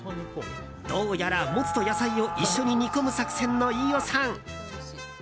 どうやらモツと野菜を一緒に煮込む作戦の飯尾さん。